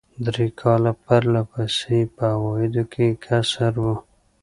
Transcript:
درې کاله پر له پسې یې په عوایدو کې کسر و.